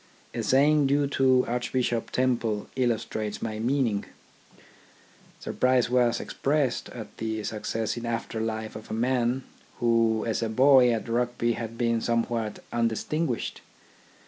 A saying due to Archbishop Temple illustrates my meaning. Surprise was expressed at the success in after life of a man, who as a boy at Rugby had been somewhat undistinguished.